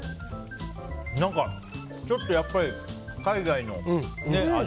何か、ちょっとやっぱり海外の味。